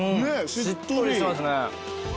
しっとりしてますね。